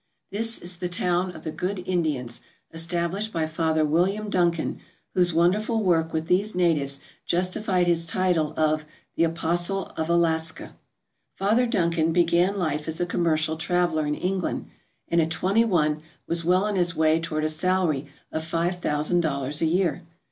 This is the town of the Good Indians established by Father William Duncan, whose wonderful work with these natives justified his title of the "Apostle of Alaska/' Father Duncan began life as a commercial traveller in England, and at twenty one was well on his way toward a salary of five thousand dollars a year.